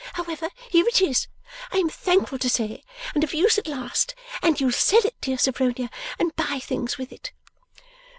However, here it is, I am thankful to say, and of use at last, and you'll sell it, dear Sophronia, and buy things with it.